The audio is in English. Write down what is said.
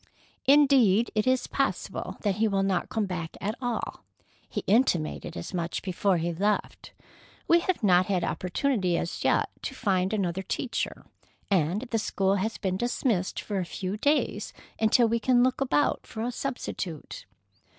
Indeed, it is possible that he will not come back at all. He intimated as much before he left. We have not had opportunity as yet to find another teacher, and the school has been dismissed for a few days until we can look about for a substitute."